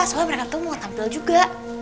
soalnya mereka tuh mau tampil juga